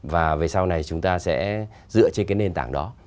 và về sau này chúng ta sẽ dựa trên cái nền tảng đó